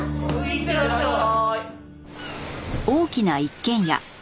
いってらっしゃい。